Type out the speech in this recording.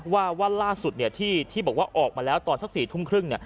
ว่าวันล่าสุดที่บอกว่าออกมาแล้วตอนสัก๔ทุ่มครึ่ง